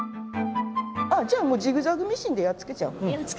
じゃあもうジグザグミシンでやっつけちゃおう。